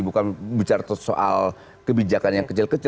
bukan bicara soal kebijakan yang kecil kecil